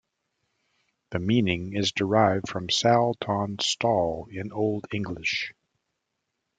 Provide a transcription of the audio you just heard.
The meaning is derived from Sal-ton-stall in Old English.